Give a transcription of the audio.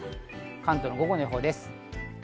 関東の午後の予報です。